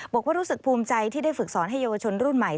บอกว่ารู้สึกภูมิใจที่ได้ฝึกสอนให้เยาวชนรุ่นใหม่